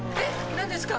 何ですか？